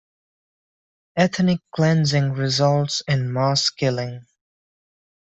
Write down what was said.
Ethnic cleansing results in mass killing.